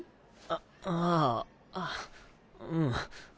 あああうん。